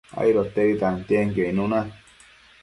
aidotedi tantienquio icnuna